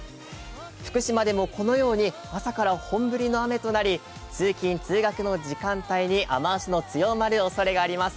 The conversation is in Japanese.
福島でも、このように朝から本降りの雨となり、通勤・通学の時間帯に雨足の強まるおそれがあります。